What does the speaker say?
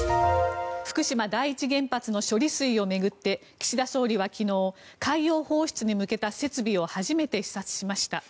福島第一原発の処理水を巡って岸田総理は昨日海洋放出に向けた設備を初めて視察しました。